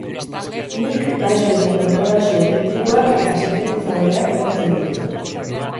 Nik baxu eta kontrabaxu elektrikoak eta sintetizadoreak jotzen ditut.